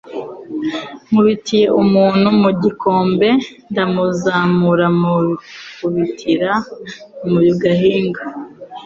Nkubitiye umuntu mu gikombe ndamuzamura mukubitira mugahinga